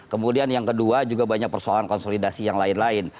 kemudian yang kedua juga banyak persoalan konsolidasi yang lain lain